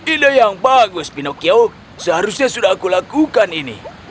ide yang bagus pinocchio seharusnya sudah aku lakukan ini